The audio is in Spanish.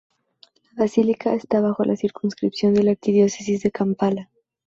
La basílica está bajo la circunscripción de la Arquidiócesis de Kampala.